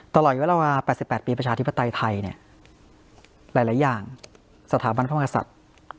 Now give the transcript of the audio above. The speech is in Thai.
ตลอยเวลาประสิทธิปไทยไทยเนี่ยหลายหลายอย่างสถาบันิกาสัตว์